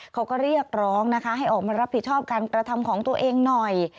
เขาก็เรียกร้องนะคะให้ออกมารับผิดชอบการกระทำของตัวเองหน่อย